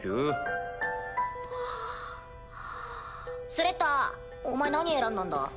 スレッタお前何選んだんだ？